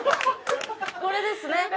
これですね。